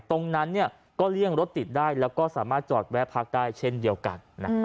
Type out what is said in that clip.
ตรงนั้นก็เลี่ยงรถติดได้แล้วก็สามารถจอดแวะพักได้เช่นเดียวกัน